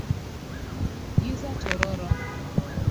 Giza tororo.